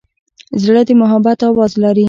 زړه د محبت آواز لري.